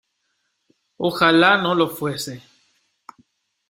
¡ ojalá no lo fuese!